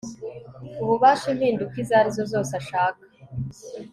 ububasha impinduka izo arizo zose ashaka